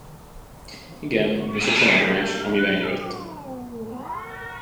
Igen, és a csomagolás, amiben jött.